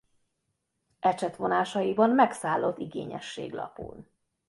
Ecsetvonásaiban megszállott igényesség lapul.